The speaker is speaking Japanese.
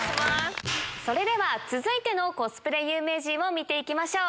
それでは続いてのコスプレ有名人見ていきましょう。